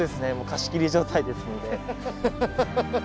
貸し切り状態ですので。